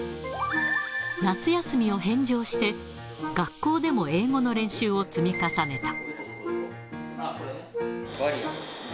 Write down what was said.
夏休みを返上して、学校でも英語の練習を積み重ねた。